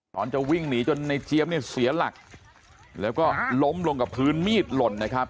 ตอนจะวิ่งหนีจนในเจี๊ยบเนี่ยเสียหลักแล้วก็ล้มลงกับพื้นมีดหล่นนะครับ